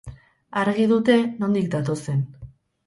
Argi dute nondik datozen.